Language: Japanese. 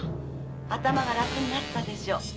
頭が楽になったでしょう。